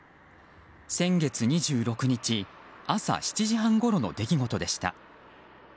先月２６日朝７時半ごろの出来事でした。